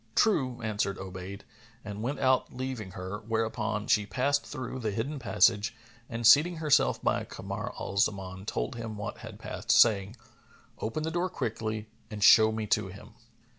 "True," answered Obayd, and went out leaving her, whereupon she passed through the hidden passage and seating herself by Kamar al Zaman, told him what had passed, saying, "Open the door quickly and show me to him."